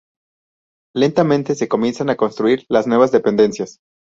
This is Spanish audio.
Lentamente se comienzan a construir las nuevas dependencias.